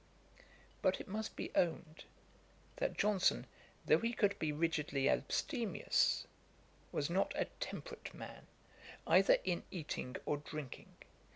But it must be owned, that Johnson, though he could be rigidly abstemious, was not a temperate man either in eating or drinking.